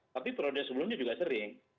tapi periode sebelumnya juga sering